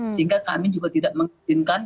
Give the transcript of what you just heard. sehingga kami juga tidak mengizinkan